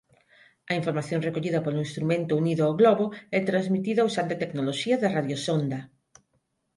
A información recollida polo instrumento unido ao globo é transmitida usando tecnoloxía de radiosonda.